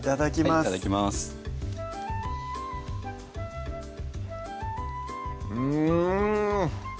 はいいただきますうん！